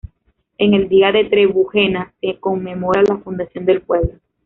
En el día de Trebujena se conmemora la fundación del pueblo.